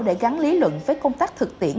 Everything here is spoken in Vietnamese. để gắn lý luận với công tác thực tiễn